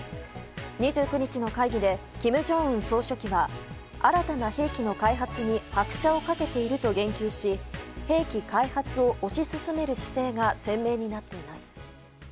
２９日の会議で、金正恩総書記は新たな兵器の開発に拍車を掛けていると言及し兵器開発を推し進める姿勢が鮮明になっています。